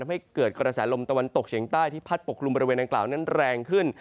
ให้เกิดกระแสลมตะวันตกเฉียงใต้ที่พัดปกลุ่มบริเวณดังกล่าวนั้นแรงขึ้น